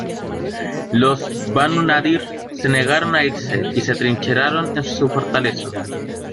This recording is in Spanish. Los Banu Nadir se negaron a irse y se atrincheraron en su fortaleza.